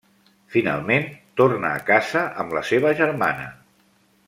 Finalment, torna a casa amb la seva germana.